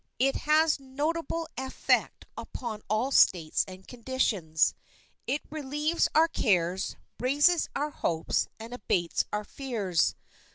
It has notable effect upon all states and conditions. It relieves our cares, raises our hopes, and abates our fears.